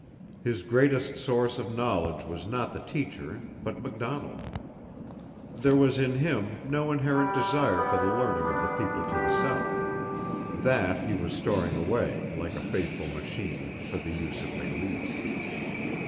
His greatest source of knowledge was not the teacher, but MacDonald. There was in him no inherent desire for the learning of the people to the south. That he was storing away, like a faithful machine, for the use of Mélisse.